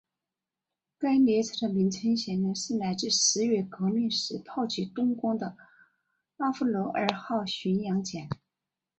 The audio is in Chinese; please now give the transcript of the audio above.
该列车的名称显然是来自十月革命时炮击冬宫的阿芙乐尔号巡洋舰。